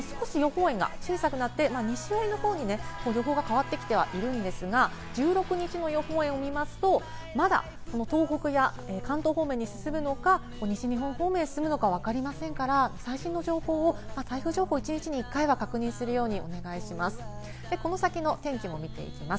先ほどよりも少し予報円が小さくなって、西寄りの方に予報が変わってきてはいるんですが、１６日の予報円を見ますと、まだ東北や関東方面に進むのか、西日本方面へ進むのかわかりませんから、最新の情報、台風情報を一日に１回は確認するようにしてください、この先の天気も見ていきます。